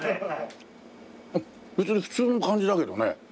別に普通の感じだけどね。